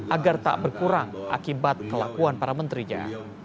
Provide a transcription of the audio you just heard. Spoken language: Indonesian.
agar tak berkurang akibat kelakuan para menterinya